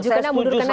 maju kan mundur kan ya